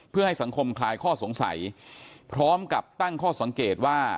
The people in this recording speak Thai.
เพื่อให้สังคมคลายข้อสงสัยพร้อมกับตั้งข้อสังเกตว่า